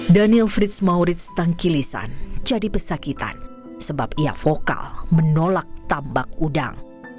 daniel fismauris tangkilisan jadi pesakitan sebab ia vokal menolak tambak udang